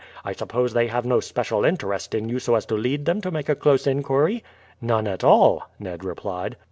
I suppose they have no special interest in you so as to lead them to make a close inquiry?" "None at all," Ned replied.